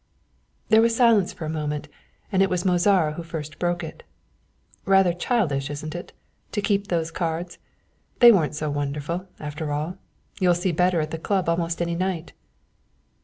There was silence for a moment, and it was Mozara who first broke it. "Rather childish isn't it to keep those cards? They weren't so wonderful, after all; you'll see better at the Club almost any night."